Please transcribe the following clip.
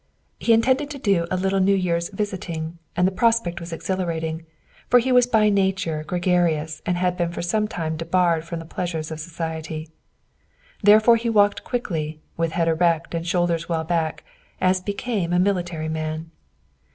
He intended to do a little New Year's visiting and the prospect was exhilarating, for he was by nature gre garious and had been for some time debarred from the pleasures of society. Therefore he walked quickly, with head erect and shoulders well back, as became a military man.